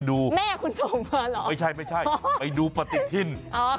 แม่คุณส่งมาเหรอไม่ใช่ไม่ใช่ไปดูปฏิทิน